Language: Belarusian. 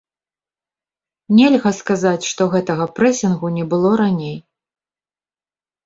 Нельга сказаць, што гэтага прэсінгу не было раней.